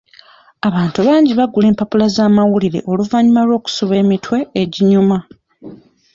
Abantu bangi bagula empapula z'amawulire oluvannyuma lw'okusoma emitwe eginyuma.